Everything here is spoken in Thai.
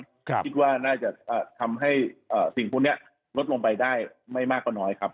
คิดว่าน่าจะทำให้สิ่งพวกนี้ลดลงไปได้ไม่มากก็น้อยครับ